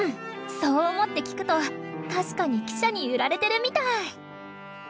そう思って聴くと確かに汽車に揺られてるみたい！